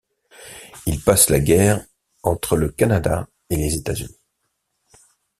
Il passe la guerre entre le Canada et les États-Unis.